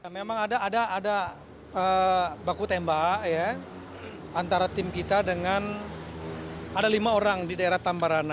memang ada baku tembak antara tim kita dengan ada lima orang di daerah tambarana